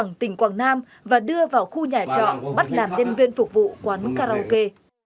bằng tỉnh quảng nam và đưa vào khu nhà trọng bắt làm thêm viên phục vụ quán karaoke